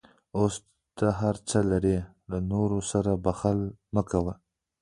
اوس ته هر څه لرې، له نورو سره بخل مه کوه.